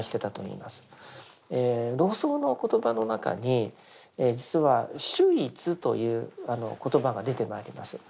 老荘の言葉の中に実は「守一」という言葉が出てまいります。